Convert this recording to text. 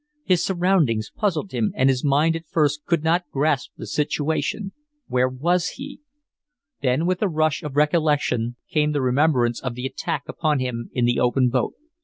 His surroundings puzzled him and his mind at first could not grasp the situation. Where was he? Then with a rush of recollection came the remembrance of the attack upon him in the open boat.